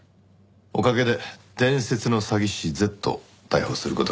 おかげで伝説の詐欺師Ｚを逮捕する事ができました。